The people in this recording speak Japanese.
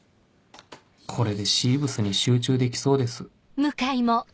これでシーブスに集中できそうです